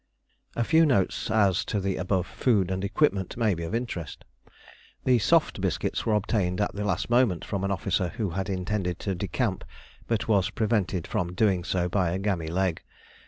A few notes as to the above food and equipment may be of interest. The soft biscuits were obtained at the last moment from an officer who had intended to decamp but was prevented from so doing by a game leg.